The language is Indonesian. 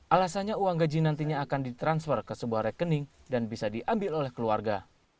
alasannya uang gaji nantinya akan ditransfer ke sebuah rekening dan bisa diambil oleh keluarga